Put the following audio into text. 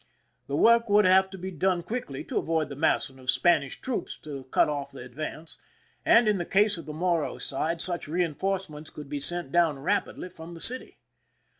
The work would have to be done quickly to avoid the massing of Spanish troops to cut off the advance, and, in the case of the Morro side, sucli reinforcements could be sent down ra pidly from the city.